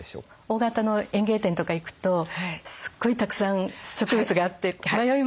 大型の園芸店とか行くとすごいたくさん植物があって迷いますね。